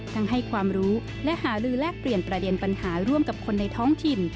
ให้ความรู้และหาลือแลกเปลี่ยนประเด็นปัญหาร่วมกับคนในท้องถิ่น